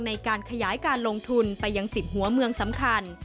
ในการขยายการลงทุนไปยัง๑๐หัวเมืองสำคัญ